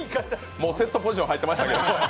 もうセットポジション入ってましたけど。